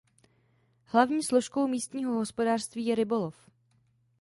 Hlavní složkou místního hospodářství je rybolov.